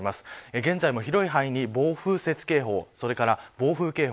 現在も広い範囲に暴風雪警報それに暴風警報